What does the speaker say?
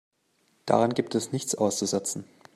Daran gibt es nichts auszusetzen.